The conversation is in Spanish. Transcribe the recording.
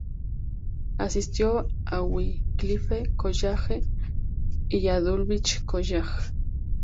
Asistió a Wycliffe College y a Dulwich College.